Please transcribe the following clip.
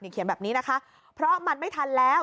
เขียนแบบนี้นะคะเพราะมันไม่ทันแล้ว